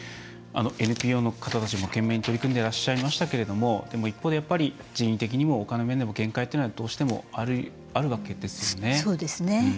ＮＰＯの方たちも懸命に取り組んでいらっしゃいましたけれどもでも一方で、やっぱり人員的にもお金の面でも限界というのはどうしてもあるわけですよね。